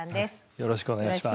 よろしくお願いします。